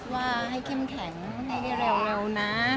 ว่าให้เข้มแข็งให้ได้เร็วนะ